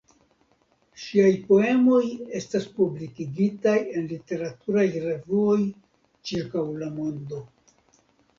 Ŝiaj poemoj estas publikigitaj en literaturaj revuoj ĉirkaŭ la mondo.